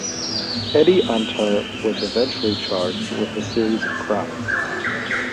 Eddie Antar was eventually charged with a series of crimes.